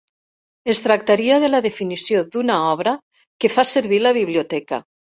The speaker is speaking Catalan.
Es tractaria de la definició d'una "obra que fa servir la Biblioteca".